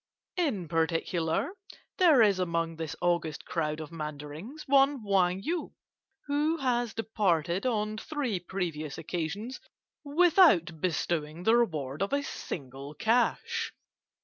In particular, there is among this august crowd of Mandarins one Wang Yu, who has departed on three previous occasions without bestowing the reward of a single cash.